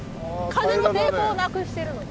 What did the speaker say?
風の抵抗をなくしてるので。